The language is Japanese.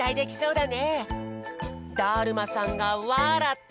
だるまさんがわらった！